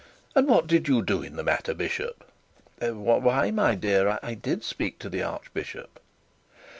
And what did you do in the matter, bishop?' 'Why, my dear, I did speak to the archbishop.'